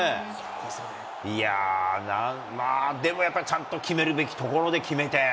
いやぁ、でもやっぱり、ちゃんと決めるべきところで決めて。